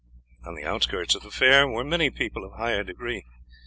On the outskirts of the fair were many people of higher degree.